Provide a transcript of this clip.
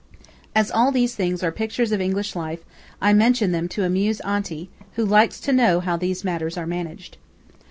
As all these things are pictures of English life, I mention them to amuse Aunty, who likes to know how these matters are managed.